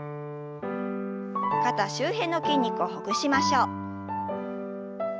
肩周辺の筋肉をほぐしましょう。